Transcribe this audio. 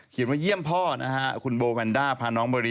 เขียนว่าเยี่ยมพ่อนะคะคุณเบอร์แวนด้าภาน้องเบอร์ลี้